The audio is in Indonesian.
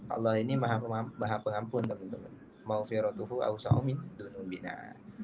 allah ini maha pengampun teman teman